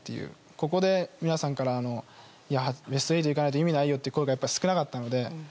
ここで、皆さんからベスト８に行かないと意味ないよって声が少なかったので。